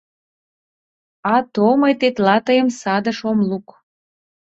— А то мый тетла тыйым садыш ом лук.